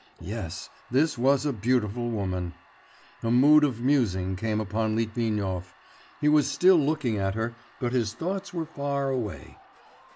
Yes, this was a beautiful woman. A mood of musing came upon Litvinov.... He was still looking at her, but his thoughts were far away....